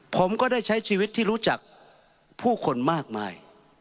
ผมก็ได้ใช้ชีวิตที่รู้จักผู้คนมากมาย